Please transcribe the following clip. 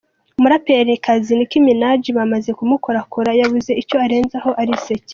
Umuraperikazi Nick Minaj bamaze kumukorakora yabuze icyo arenzaho arisekera.